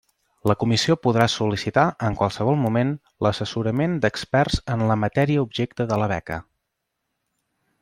La comissió podrà sol·licitar, en qualsevol moment, l'assessorament d'experts en la matèria objecte de la beca.